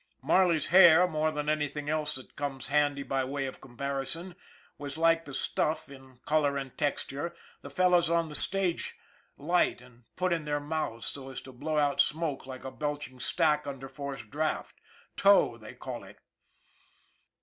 Marley's hair, more than anything else that comes handy by way of comparison, was like the stuff, in color and texture, the fellows on the stage light and put in their mouths so as to blow out smoke like a belching stack under forced draft tow, they call it.